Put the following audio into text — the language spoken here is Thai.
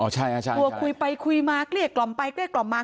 ใช่กลัวคุยไปคุยมาเกลี้ยกล่อมไปเกลี้ยกล่อมมา